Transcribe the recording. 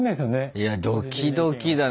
いやドキドキだな。